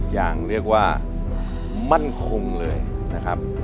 อย่างเรียกว่ามั่นคงเลยนะครับ